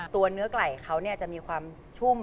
เนื้อไก่เขาจะมีความชุ่ม